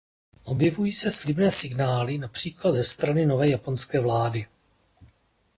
Objevují se slibné signály, například ze strany nové japonské vlády.